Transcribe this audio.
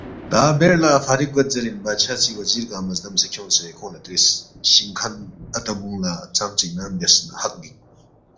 تا بیر لہ فارغ گوید زیرین بادشاہ سی وزیر گنگمہ زدمسے کھیونگسے کھونگ لہ ترِس، شِنگ کھن اتا بُونگ لہ ژامژے اِنعام بیاس نہ حق گِک؟